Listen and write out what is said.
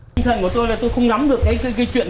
tình trạng của tôi là tôi không nắm được cái chuyện